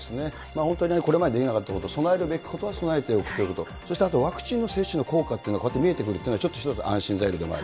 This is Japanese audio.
本当にこれまでできなかったこと、備えるべきことは備えておくということ、そしてあとワクチンの接種の効果というのがこうやって見えてくるというのは、ちょっと一つ安心材料でもある。